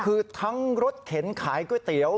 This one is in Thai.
คือทั้งรถเข็นขายก๋วยเตี๋ยว